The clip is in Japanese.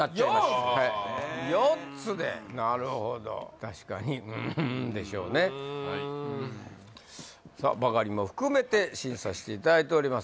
・うん４つでなるほど確かに「うん」でしょうねさあバカリも含めて審査していただいております